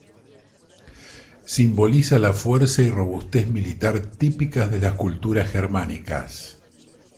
Simboliza la fuerza y robustez militar típicas de las culturas germánicas.